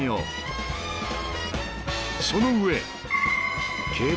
［その上］